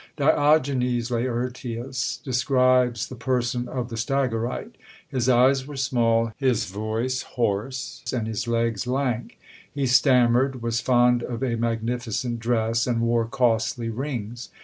Diogenes Laertius describes the person of the Stagyrite. His eyes were small, his voice hoarse, and his legs lank. He stammered, was fond of a magnificent dress, and wore costly rings.